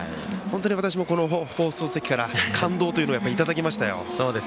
私も放送席から感動というのをやっぱり、いただきましたよ。